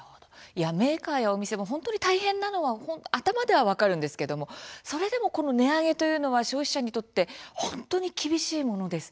メーカーやお店も本当に大変なのは頭では分かるんですけれどそれでもこの値上げというのは消費者にとって本当に厳しいものです。